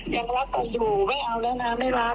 ยังรักกันอยู่ไม่เอาแล้วนะไม่รัก